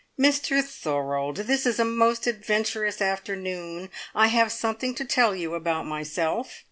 "Mr Thorold this is a most adventurous afternoon! I have something to tell you about myself.